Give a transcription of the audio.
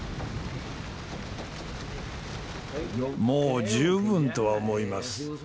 もう十分とは思います。